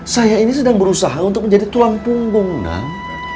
saya ini sedang berusaha untuk menjadi tulang punggung nang